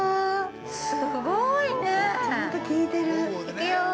◆すごいねー。